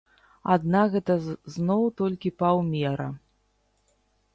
Аднак гэта зноў толькі паўмера.